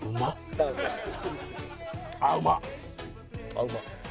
あっうまっ！